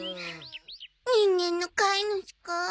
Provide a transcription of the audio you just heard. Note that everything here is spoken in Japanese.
人間の飼い主か。